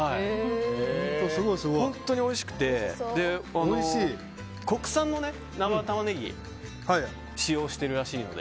本当においしくて国産の生タマネギを使用しているらしいので。